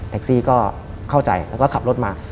ซี่ก็เข้าใจแล้วก็ขับรถมา